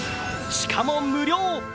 しかも無料。